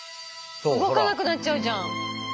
動かなくなっちゃうじゃん。